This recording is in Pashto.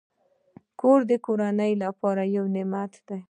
کور د کورنۍ لپاره یو نعمت دی.